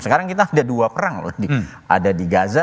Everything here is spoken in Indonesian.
sekarang kita ada dua perang ada di gaza